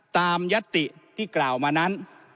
ยัตติที่กล่าวมานั้น